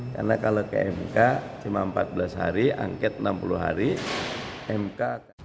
karena kalau ke mk cuma empat belas hari angket enam puluh hari mk